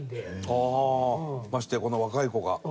ああーましてやこんな若い子が。